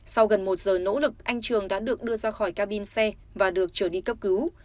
sau gần một giờ nỗ lực anh trường đã được đưa ra khỏi cabin xe và được trở đi cấp cứu